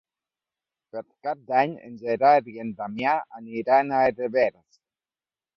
Per Cap d'Any en Gerard i en Damià aniran a Herbers.